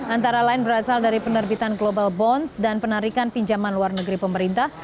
antara lain berasal dari penerbitan global bonds dan penarikan pinjaman luar negeri pemerintah